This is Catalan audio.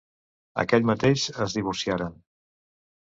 Aquell mateix es divorciaren.